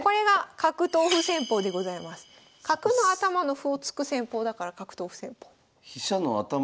角の頭の歩を突く戦法だから角頭歩戦法。